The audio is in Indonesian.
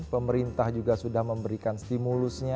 pemerintah juga sudah memberikan stimulusnya